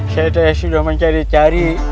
saya sudah mencari cari